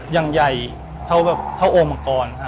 อย่างใหญ่เท่าโอมกร